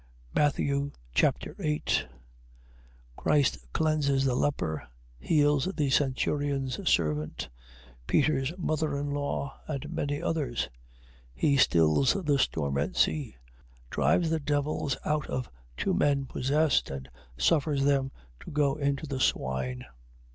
Matthew Chapter 8 Christ cleanses the leper, heals the centurion's servant, Peter's mother in law, and many others: he stills the storm at sea, drives the devils out of two men possessed, and suffers them to go into the swine.